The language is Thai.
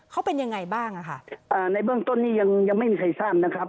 เขาเป็นยังไงบ้างอ่ะค่ะอ่าในเบื้องต้นนี้ยังยังไม่มีใครทราบนะครับ